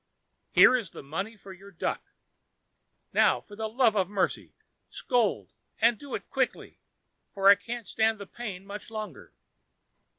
Here is the money for your duck. Now for the love of mercy, scold, and do it quickly, for I can't stand the pain much longer."